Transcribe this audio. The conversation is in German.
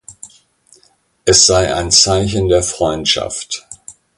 Es sei ein Zeichen der Freundschaft.